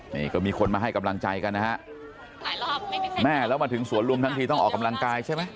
นี่ก็มีคนมาให้กำลังใจกันนะฮะแม่แล้วมาถึงสวนลุมทั้งทีต้องออกกำลังกายใช่ไหม